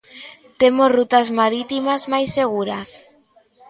Temos rutas marítimas máis seguras?